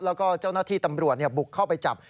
แล้วก็เจ้าหน้าที่ตำรวจบุกเข้าไปจับ